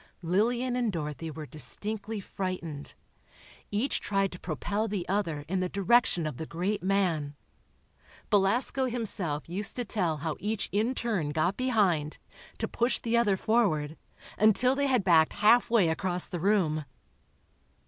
Lillian and Dorothy were distinctly frightened. Each tried to propel the other in the direction of the great man. Belasco himself used to tell how each in turn got behind, to push the other forward, until they had backed halfway across the room.